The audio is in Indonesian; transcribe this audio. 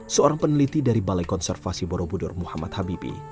seorang peneliti dari balai konservasi borobudur muhammad habibi